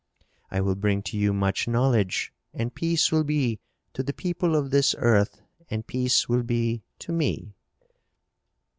"I will bring to you much knowledge, and peace will be to the people of this earth and peace will be to me."